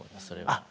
それは。